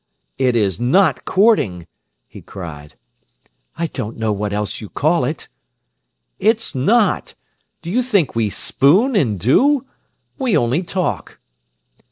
"It is not courting," he cried. "I don't know what else you call it." "It's not! Do you think we spoon and do? We only talk."